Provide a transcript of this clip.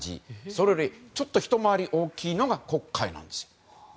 それよりひと回り大きいのが黒海なんですよ。